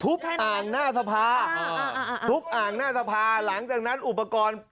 ทุบอ่างหน้าทะพาอ่าทุบอ่างหน้าทะพาหลังจากนั้นอุปกรณ์